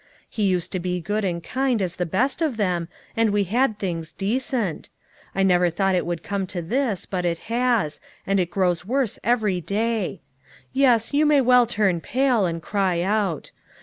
He used to be good and kind as the best of them, and we had things decent. I never thought it would come to this, but it has, and it grows worse every day. Yes, you may well turn pale, and cry out.